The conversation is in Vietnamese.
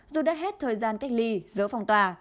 dù đã hết thời gian cách ly dỡ phong tỏa